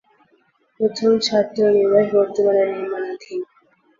প্রথম ছাত্র নিবাস বর্তমানে নির্মাণাধীন।